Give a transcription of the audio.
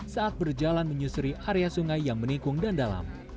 saat berjalan menyusuri area sungai yang menikung dan dalam